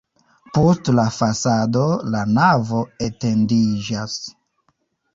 Post la fasado la navo etendiĝas.